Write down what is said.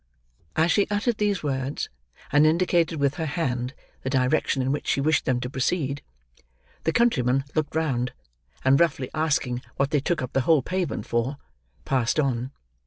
As she uttered these words, and indicated, with her hand, the direction in which she wished them to proceed, the countryman looked round, and roughly asking what they took up the whole pavement for, passed on.